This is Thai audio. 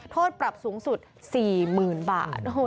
โทษปรับสูงสุด๔๐๐๐บาท